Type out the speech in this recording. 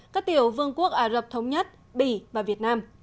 các tiểu vương quốc ả rập thống nhất bỉ và việt nam